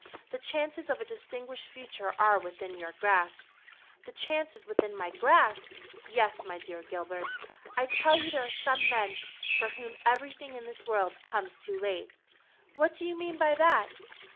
The chances of a distinguished future are within your grasp." "The chances within my grasp! Yes. My dear Gilbert, I tell you there are some men for whom everything in this world comes too late." "What do you mean by that?"